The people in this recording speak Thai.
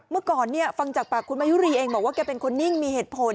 เมื่อก่อนเนี่ยฟังจากปากคุณมายุรีเองบอกว่าแกเป็นคนนิ่งมีเหตุผล